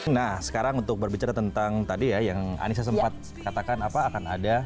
nah sekarang untuk berbicara tentang tadi ya yang anissa sempat katakan apa akan ada